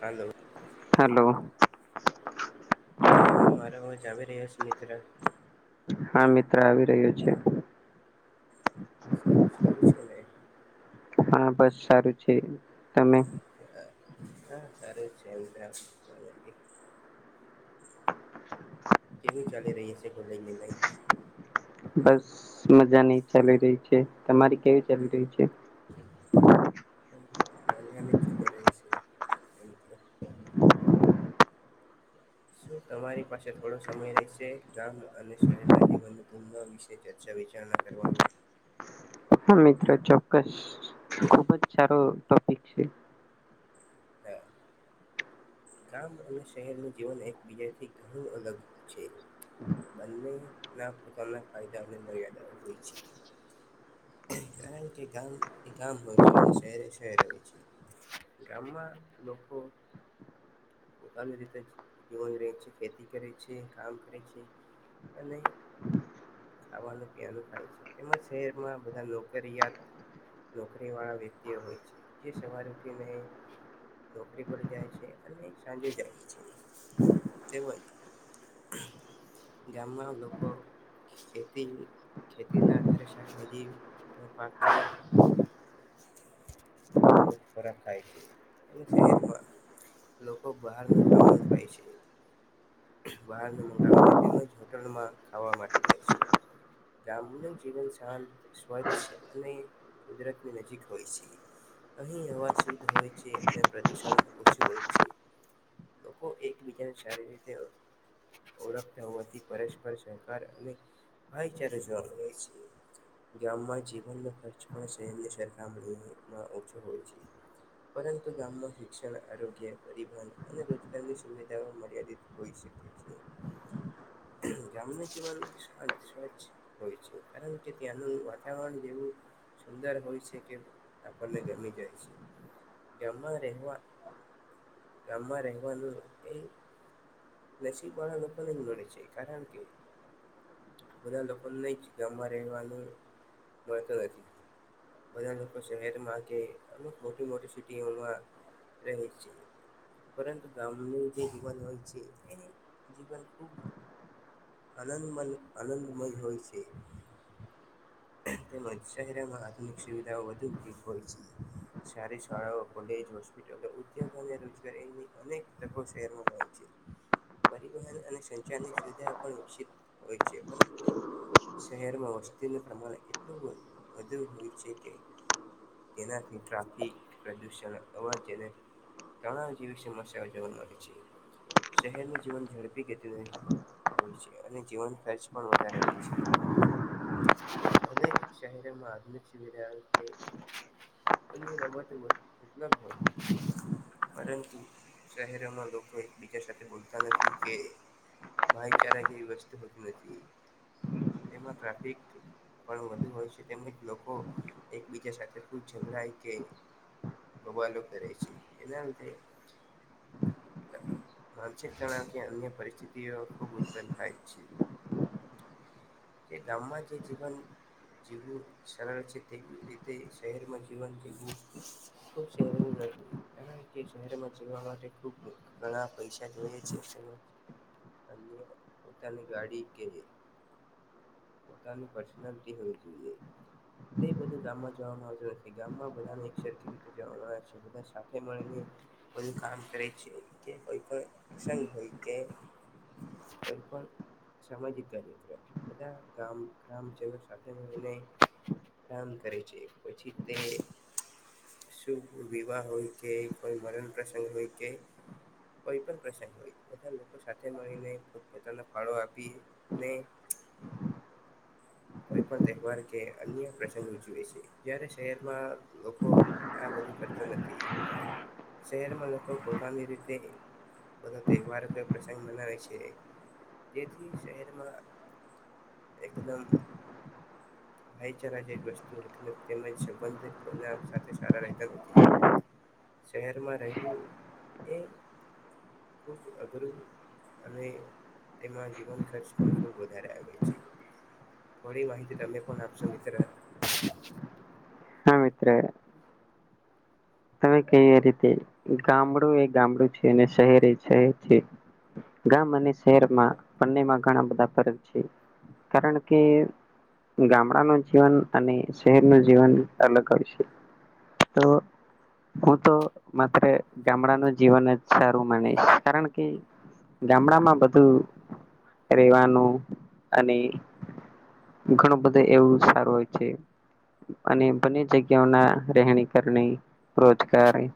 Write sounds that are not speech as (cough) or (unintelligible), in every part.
હાલો hello શું તમને મારો અવાજ આવી રહ્યો છે. શું મિત્ર? હા મિત્ર આવી રહ્યો છે. શું સારું છે ને? હા બસ સારું છે તમે? હા સારું છે એમતો. કેવું ચાલી રહી છે કોલેજની લાઈફ? બસ મજા નહી ચાલી રહી છે તમારી કેવી ચાલી રહી છે. (unintelligible) (unintelligible) શું તમારી પાસે થોડો સમય રહેશે ગામ અને શહેરના જીવન પૂ વિશે ચર્ચા વિચારણા કરવાની હા મિત્રો ચોક્કસ ખુબ જ સારો ટોપિક છે. હા ગામ અને શહેરનું જીવન એકબીજાથી ઘણું અલગ છે. બંને ના પોકારના ફાયદાની મર્યાદા હોય છે. કારણ કે ગામ એ ગામ હોય છે, અને શહેર શહેર હોય છે. ગામમાં લોકો પોતાની રીતે જીવન રહે છે, ખેતી કરે છે, કામ કરે છે. અને ખાવાનું પીવાનું ખાય છે તેમજ શહેરમાં બધા નોકરિયાત નોકરી વાળા વ્યક્તિ હોય છે જે સવારે ઉઠીને નોકરી પર જાય છે અને સાંજે જાય છે તેવા (inaudible) ગામમાં લોકો ખેતી ખેતીના આધારે શાકભાજી નો પાક ખાવા ખોરાક ખાય છે એ શહેરમાં લોકો બહારનું ખાવાનું ખાય છે. બહાર મંગાવીને તેમજ હોટલમાં ખાવા માટે જાય છે. ગામનું જીવન શાંત સ્વચ્છ અને કુદરતની નજીક હોય છે. અહીં હવા શુદ્ધ હોય છે અને પ્રદુષણ ઓછું હોય છે. લોકો એકબીજાને સારી રીતે ઓળખતા હોવાથી પરસ્પર સહકાર અને ભાઈચારા જોવા મળે છે ગામમાં જીવનનો ખર્ચ પણ શહેરની સરખામણીમાં ઓછો હોય છે. પરંતુ ગામમાં શિક્ષણ આરોગ્ય પરિવહન અને રોજગારની સુવિધાઓ મર્યાદિત હોય છે. (inaudible) ગામનું જીવન શાંત સ્વચછ હોય છે કારણ કે ત્યાંનું વાતાવરણ જેવું સુંદર ભવિષ્ય કે આપણને ગમી જાય છે ગામમાં રહેવા ગામં રેવાનું એ નસીબ વાળા લોકો ને જ છે કારણ કે બધા લોકો નહી જ ગામમાં રહેવાનું મળતુ નથી. બધા લોકો શહેર માં કે અમુક મોટી મોટી સિટીમાં રહે છે પરંતુ ગામનું જે જીવન હોય છે. એની જીવન ખૂબ આનંદ આનંદમય હોય છે. તેમજ શહેરમાં આધુનિક સુવિધાઓ વધુ ઉપયોગ હોય છે. સારી શાળાઓ કોલેજ હોસ્પિટલો ઉધોગો અને રોજગારીની અનેક તકો શહેરમાં હોય છે. (inaudible) પરિવહન અને સંચારની સુવિધા પણ વિકસિત હોય છે. પરંતુ શહેરમાં વસ્તીનું પ્રમાણ એટલું (inaudible) વધુ હોય છે કે,? તેનાથી ટ્રાફિક, પ્રદુષણ અવાજને તણાવ જેવી સમસ્યાઓ જોવા મળે છે. શહેરનુ જીવન ઝડપી ગતિ હોય છે. અને જીવન ખર્ચ પણ વધારે હોય છે. (inaudible) ભલે, શહેરમાં આધુનિક સુવિધાઓ છે. અને બાબતોમા ઉપલબ્ધ હોય. પરંતુ, શહેરોમાં લોકો એકબીજા સાથે બોલતા નથી કે ભાઈચારા એવી વસ્તુ હોતી નથી. તેમાં ટ્રાફિક પણ વધુ હોય છે તેમજ લોકો એકબીજા સાથે ખુબ ઝઘડાય કે બબાલો કરે છે એના લીધે માનસિક, નાણાકીય અન્ય પરિસ્થિતિઓ ખૂબ ઉત્પન્ન થાય છે. કે ગામમા જે જીવન જીવવુ સરળ છે. તેવી રીતે શહેરમાં જીવન જીવવુ ખૂબ સેહલુ નથી. કારણ કે શહેરમા જવા માટે ખુબ, ઘણા પૈસા જોએ છે. અને અન્ય પોતાની ગાડી કે પોતાની પર્સનલ બી હોવી જોઈ તે બધુ ગામમા જોવામા આવતુ નથી. ગામમા બધા ને એક સરખી રીતે જોવામાં આવે છે. બધા સાથે મળીને બધુ કામ કરે છે. કોઈ પણ પ્રસંગ હોય કે કોઈ પણ સામાજિક કાર્યો હોય બધા ગામ ગ્રામજનો સાથે મડીને કામ કરે છે, પછી તે શુભ વિવાહ હોય કે કોઈ મરણ પ્રસંગ હોય કે કોઈ પણ પ્રસંગ હોય, બધા લોકો સાથે મળીને પોત પોતાના ફાળો આપી ને કોઈ પણ તહેવાર કે અન્ય પ્રસંગ ઉજવે છે. જ્યારે શહેરમા લોકો આ બ કરતા નથી. શહેરમા લોકો પોતાની રીતે બધા તહેવાર કે પ્રસંગ મનાવે છે. જેથી શહેરમા એકદમ ભાઈચારા જેવી વસ્તુ હોતી નથી તેમજ સંબંધ કોઈના સાથે સારા રહેતા નથી. શહેરમાં રહેવું એ ખૂબ અઘરું અને તેમાં જીવન ખર્ચ પણ ખુબ વધારે આવે છે. થોડી માહિતી તમે પણ આપશો મિત્ર, હા મિત્ર (unintelligible) તમે કેય એ રીતે ગામડુ એ ગામડુ છે, અને શહેર એ શહેર છે. ગામ અને શહેરમા બંનેમા ઘણા બધા ફર્ક છે. કારણ કે, ગામડા નુ જીવન અને શહેર નુ જીવન અલગ હોય છે. તો હું તો માત્ર ગામડાનુ જીવન જ સારું માનીશ, કારણ કે ગામડા માં બધું રહેવાનું, અને ઘણુ બધુ એવુ સારું હોય છે અને બંને જગ્યાઓના રહેણી કરણી રોજગારી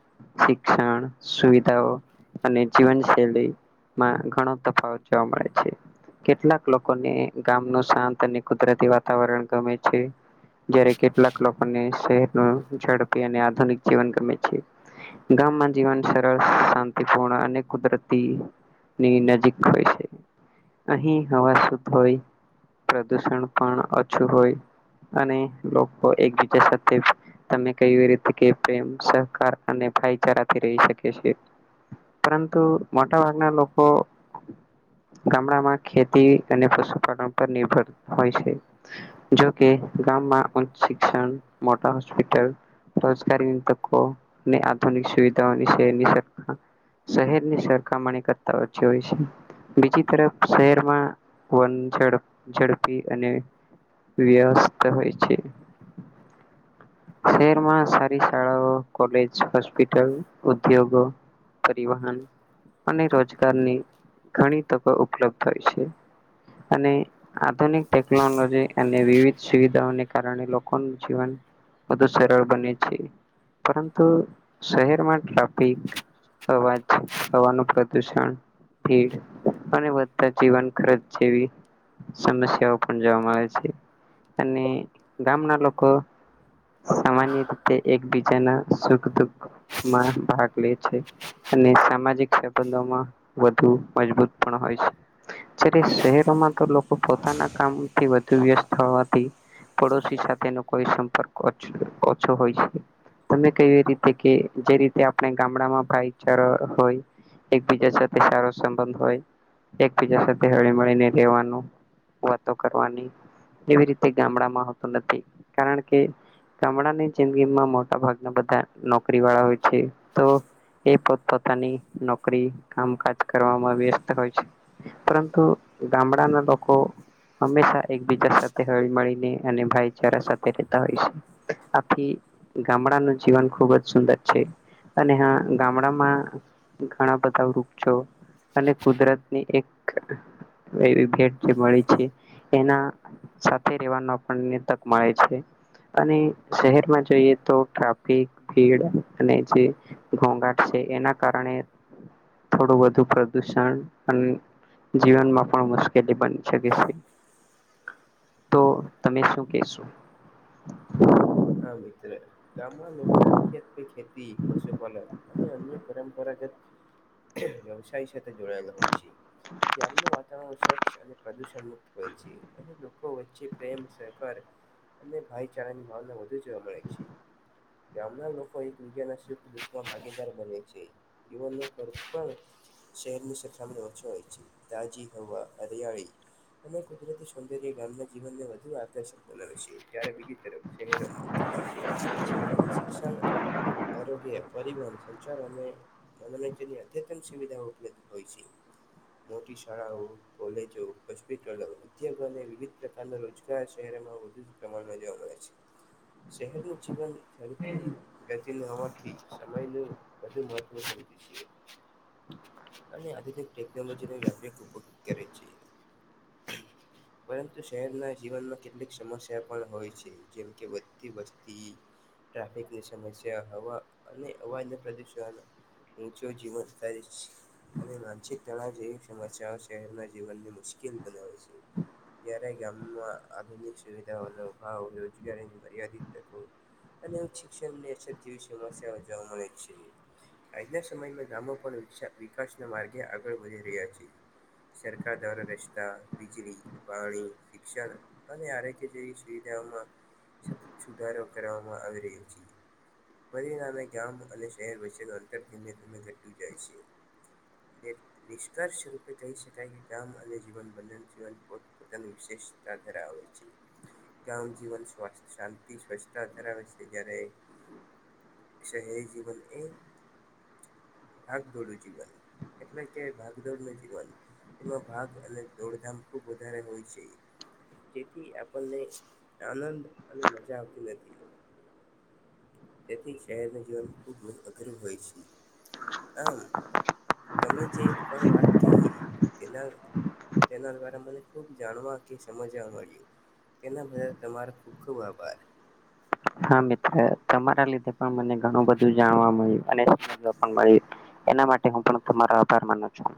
શિક્ષણ સુવિધાઓ અને જીવનશૈલી મા ઘણો તફાવત જોવા મળે છે. કેટલાક લોકોને ગામનું શાંત અને કુદરતી વાતાવરણ ગમે છે. જ્યારે કેટલાક લોકોને શહેરનો ઝડપી અને આધુનિક જીવન ગમે છે. ગામમા જીવન સરળ શાંતિપૂર્ણ અને કુદરતી ની નજીક હોય છે અહી હવા શુદ્ધ હોય પ્રદુષણ પણ અછુ હોય અને લોકો એકબીજા સાથે તમે કેવી રીતે કે પ્રેમ સહકાર અને ભાઈચારાથી રહી શકે છે. પરંતુ મોટા ભાગના લોકો ગામડામાં ખેતી અને પશુપાલન પર નિર્ભર હોય છે. જો કે ગામમાં ઉચ્ચ શિક્ષણ મોટા હોસ્પિટલ રોજગારીની તકો આધુનિક સુવિધાઓ શહેરની સરખામણી કરતાં ઓછી હોય છે. બીજી તરફ શહેરમાં વન ઝડપી અને વસ્યત હોય છે. શહેરમાં સારી શાળાઓ કોલેજ હોસ્પિટલ ઉદ્યોગો પરિવહન અને રોજગારની ઘણી તકો ઉપલબ્ધ હોય છે. અને આધુનિક ટેકનોલોજી અને વિવિધ સુવિધાઓને કારણે લોકો જીવન વધુ સરળ બને છે. પરંતુ શહેરમાં ટ્રાફિક અવાજ હવાનું પ્રદુષણ ભીડ અને બધા જીવન ખર્ચ જેવી સમસ્યાઓ પણ જોવા મળે છે. અને ગામના લોકો સામાન્ય રીતે એકબીજાના સુખ દુખમાં ભાગ લે છે. અને સામાજિક સંબંધો વધુ મજબૂત પણ હોય છે. શ પોના કામથી વધુ વ્યસ્ત હોવા થોડો સાથે કોઈ સંપર્ક ઓછો હોય છે. તમે કવી રીતે કે જે રીતે આપણે ગામડામાં ભાઈચારો હોય. એકબીજા સાથે સારો સંબંધ હોય એકબીજા સાથે હળી મળીને રહેેવાનું વાતો કરવાની એવી રીતે ગામડા તું નથી કારણ કે ગામડાની જિંદગીમાં મોટા ભાગના બધા નોકરી વાળા હોય છે. તો એ પો પોતાની નોકરી કામકાજ કરવામાં વ્યસ્ત હોય છે. પરંતુ ગામડાના લોકો હંમેશા એકબીજા સાથે હળી મળીને અને ભાઈચારા સાથે હોય છે. આથી ગામડાનું જીવન ખુબ જ સુંદર છે. અને હા ગામડામાં ઘણા બધા વૃક્ષો અને કુદરતની એક એવી ભેટ જે મળી છે. એના સાથે રેવાનો આપણને તક મળે છે. અને શહેરમાં જોઈએ તો ટ્રાફિક ભીડ અને જે ઘોઘાટ છે. એના કારણે થોડું વધુ પ્રદુષણ અને જીવનમાં પણ મુશ્કેલી બની શકે છે. તો તમે શું કેશો હા મિત્ર ગામમાં લોકો મુખ્યત્વે ખેતી પશુપાલન અને અન્ય પરંપરાગત વ્યવસાય કરતા નું વાતવરણ અને પ્રદુષણ મુક્ત હોય છે. અહી લોકો વચ્ચે પ્રેમ સહકાર અને ભાઈચારા ની ભાવના વધુ જોવા મળે છે. ગામના લોકો એક વિનામાં ભાગીદાર બને છે. જીવનનું પણ શહેરની સખામણી ઓછો હોય છે. તાજી હવા હરિયાળી અમે કુદરતી સૌંદર્ય ગામના જીવનને વધુ આકર્ષક બનાવે છે્. કયારે કે બીજી તરફ શહેરમાં (inaudible) શહેર માં શિક્ષણ આરોગ્ય પરિવહન સંચાર અને મનોરંજનની અધ્યતન સુવિધા ઉપલબ્ધ હોય છે. મોટી શાળાઓ કોલેજો હોસ્પિટલો ઉદ્યોગોને વિવિધ પ્રકારના રોજગાર છે. વધુ પ્રમાણમાં જોવા મળે છે. શહેરનું જીવન થી ગતિ હોવાથી સમયનું વધુ મહત્વ છે. અને આધુનિક ટેકનોલોજી ન વ્યાપક ઊભો કરેછે. (inaudible) પરંતુ શહેરના જીવનમાં કેટલીક સમસ્યા પણ હોય છે જેમ કે વધતી વસ્તી ટ્રાફિકની સમસ્યા હવા અને અવાજ પ્રદુણ ચ જીવન. અને માનસિકતા જેવી સમસ્યાઓ શહેરના જીવનને મુશ્કેલ બનાવે છે. જ્યારે ગામમાં આધુનિક સુવિધાઓનો ભાવ રોજગારી મર્યાદિતકો. અને શિક્ષણ ની અત જેવી સમસ્યાઓ જોવા મળે છે. આજના સમયમાં ગામો પણ વિકાસના માર્ગે આગળ વધી રહ્યા છે. સરકાર દ્વારા રસ્તા વીજળી પાણી શિક્ષણ અને આરોગ્ય જેવી સુવિધા. સતત સુધારો કરવામાં આવી રહ્યો છે. પરિણામે ગામ અને શહેર વચ્ચે ન અંતરમે ઘટું જાય છે. હ. નિષ્કર્ષ રૂપે કહી શકાય કે કામ અને જીવન બંધન જીવન પો પોતાનું વિશેષ. ધરાવે છે. ગામ જીવન સ્ શાંતિ સ્વચ્છતા ધરાવે છે. જ્યારે, શહેરી જીવન એ ભાગ દોડ. (unintelligible) એટલે ક્યાય ભાગદોડ નથી વાની. એમાં ભાગ અને દોડધામ ખુબ વધારે હોય છે. જેથી આપણને આનંદ અને મજા આવતી નથી. તેથી શહેરના જીવન ખૂબ અઘરું હોય છે હ. તમે જે પણ વાત કહી તેના. તેના દ્વારા મને ખુબ જાણવા કે સમજવા મળ્યું. તેના બધા તમારો ખૂખ આભાર હા મિત્ર તમારા લીધે પણ મને ઘણું બધું જાણવા મળ્યું અને સમજવા પણ મળ્યું. એના માટે હું પણ તમારો આભાર માનું છું.